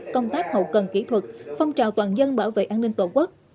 công tác hậu cần kỹ thuật phong trào toàn dân bảo vệ an ninh tổ quốc